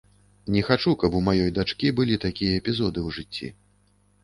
Не хачу, каб у маёй дачкі былі такія эпізоды ў жыцці.